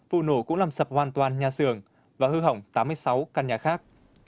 vụ nổ cũng làm sập hoàn toàn nhà xưởng và hư hỏng tám mươi sáu căn nhà khác